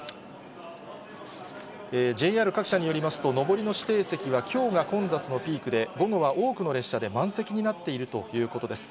ＪＲ各社によりますと、上りの指定席はきょうが混雑のピークで、午後は多くの列車で満席になっているということです。